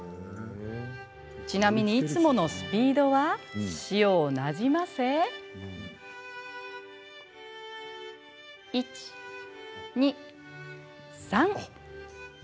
ちなみに、いつものスピードは塩をなじませ１、２、３。